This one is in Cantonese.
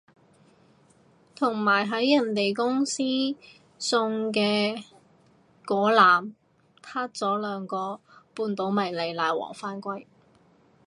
同埋喺人哋公司送嘅嗰籃撻咗兩個半島迷你奶黃返歸